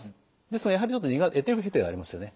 ですがやはりちょっと得手不得手がありますよね。